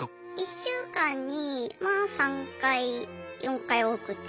１週間にまあ３回４回多くて。